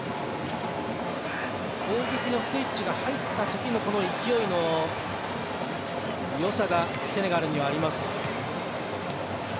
攻撃のスイッチが入った時の勢いのよさがセネガルにはあります。